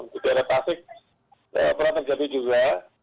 di daerah tasik pernah terjadi juga